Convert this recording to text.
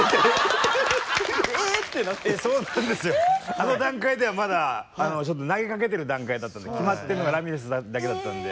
あの段階ではまだちょっと投げかけてる段階だったんで決まってるのがラミレスさんだけだったんで。